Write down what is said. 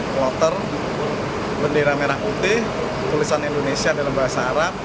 kloter bendera merah putih tulisan indonesia dalam bahasa arab